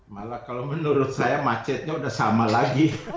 malah kalau menurut saya macetnya udah sama lagi